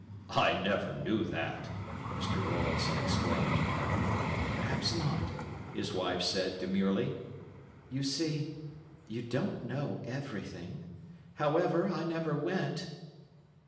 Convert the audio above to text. "I never knew that," Mr. Rowlandson exclaimed. "Perhaps not," his wife said demurely. "You see, you don't know everything. However, I never went."